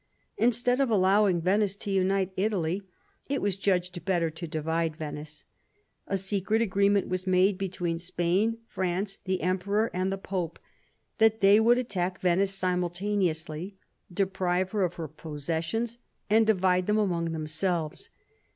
Instead of allowing Venice to unite Italy, it was judged better to divide Venice. A secret agreement was made between Spain, France, the Emperor, and the Pope that they would attack Venice simultaneously, deprive her of her possessions, and divide them amongst themselves.